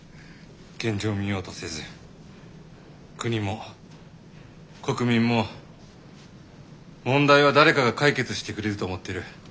現状を見ようとせず国も国民も問題は誰かが解決してくれると思ってる。